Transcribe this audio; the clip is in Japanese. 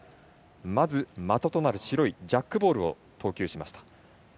まず的となる白いジャックボールを投球しました。